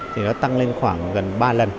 thì nó tăng lên khoảng gần ba lần